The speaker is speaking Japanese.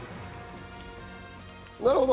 なるほど。